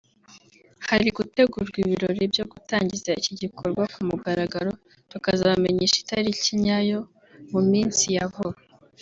hari gutegurwa ibirori byo gutangiza iki gikorwa ku mugaragaro tukazabamenyesha itariki nyayo mu minsi ya vuba